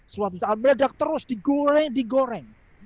suatu saat meledak terus digoreng digoreng